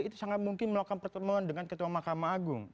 itu sangat mungkin melakukan pertemuan dengan ketua mahkamah agung